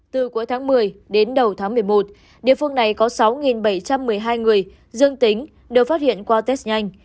từ cuối tháng một mươi đến đầu tháng một mươi một địa phương này có sáu bảy trăm một mươi hai người dương tính được phát hiện qua test nhanh